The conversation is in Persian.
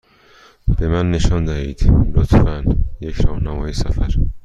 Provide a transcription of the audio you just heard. به من نشان دهید، لطفا، یک راهنمای سفر.